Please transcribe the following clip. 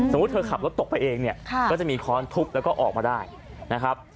เธอขับรถตกไปเองเนี่ยก็จะมีค้อนทุบแล้วก็ออกมาได้นะครับ